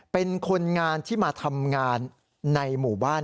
เป็นคนงานที่มาทำงานในหมู่บ้าน